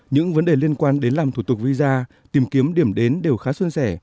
những vấn đề liên quan đến làm thủ tục visa tìm kiếm điểm đến đều khá xuân sẻ